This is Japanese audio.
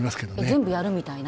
全部やるみたいな。